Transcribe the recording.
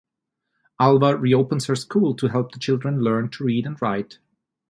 Alva reopens her school to help the children learn to read and write.